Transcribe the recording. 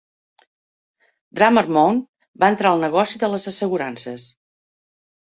Drummer Mount va entrar al negoci de les assegurances.